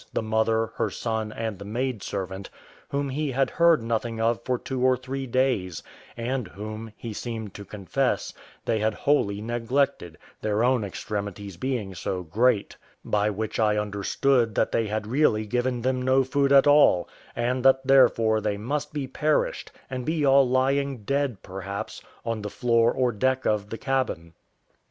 the mother, her son, and the maid servant, whom he had heard nothing of for two or three days, and whom, he seemed to confess, they had wholly neglected, their own extremities being so great; by which I understood that they had really given them no food at all, and that therefore they must be perished, and be all lying dead, perhaps, on the floor or deck of the cabin.